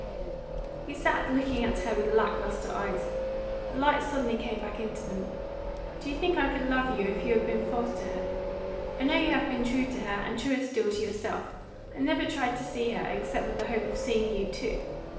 He sat looking at her with lacklustre eyes. The light suddenly came back into them. "Do you think I could love you if you had been false to her? I know you have been true to her, and truer still to yourself. I never tried to see her, except with the hope of seeing you too.